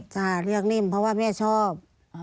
ค่ะเรียกนิ่มเพราะว่าแม่ชอบ